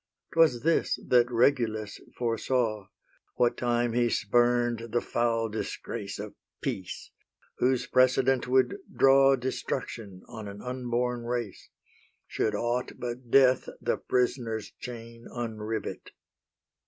'Twas this that Regulus foresaw, What time he spurn'd the foul disgrace Of peace, whose precedent would draw Destruction on an unborn race, Should aught but death the prisoner's chain Unrivet.